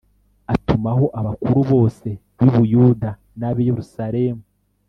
atumaho abakuru bose b i Buyuda n ab i Yeruslemu